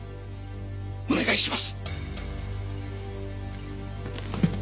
お願いします！